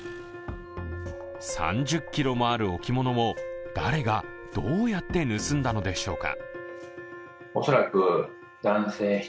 ３０ｋｇもある置物を誰がどうやって盗んだのでしょうか。